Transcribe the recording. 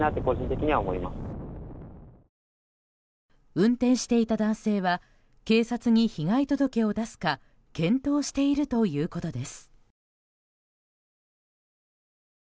運転していた男性は警察に被害届を出すか検討しているということです。